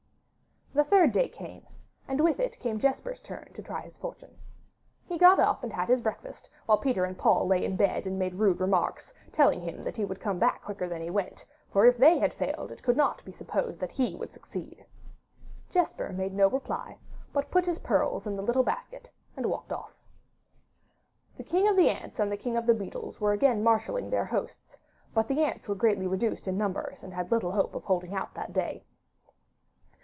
The third day came, and with it came Jesper's turn to try his fortune. He got up and had his breakfast, while Peter and Paul lay in bed and made rude remarks, telling him that he would come back quicker than he went, for if they had failed it could not be supposed that he would succeed. Jesper made no reply, but put his pearls in the little basket and walked off. The King of the Ants and the King of the Beetles were again marshalling their hosts, but the ants were greatly reduced in numbers, and had little hope of holding out that day.